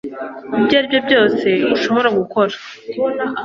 ibyo aribyo byose ushobora gukora